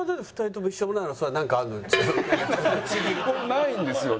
ないんですよね別に。